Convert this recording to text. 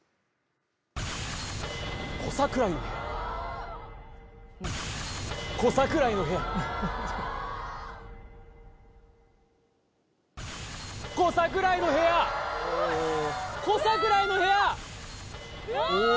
小桜井の部屋小桜井の部屋小桜井の部屋小桜井の部屋うわうわ